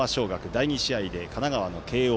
第２試合で神奈川の慶応。